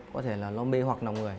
có thể là nó mê hoặc nồng người